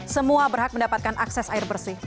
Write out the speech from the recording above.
semua berhak mendapatkan akses air bersih